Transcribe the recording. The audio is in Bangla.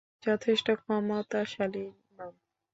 যথেষ্ট ক্ষমতাশালী নন।